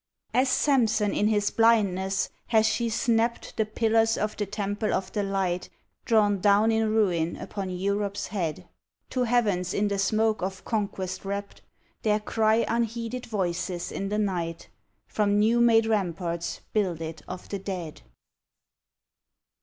As Sampson in his blindness hath she snapt The pillars of the temple of the light, Drawn down in ruin upon Europe s head. To heavens in the smoke of conquest wrapt There cry unheeded voices in the night, From new made ramparts builded of the dead.